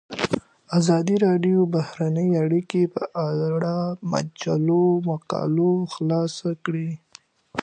ازادي راډیو د بهرنۍ اړیکې په اړه د مجلو مقالو خلاصه کړې.